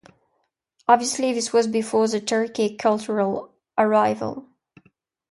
Obviously, this was before the Turkic cultural arrival.